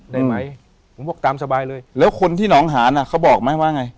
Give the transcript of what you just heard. ได้ไหมผมบอกตามสบายเลยแล้วคนที่หนองหานอ่ะเขาบอกไหมว่าไง